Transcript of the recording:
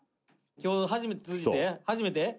「今日通じて初めて？」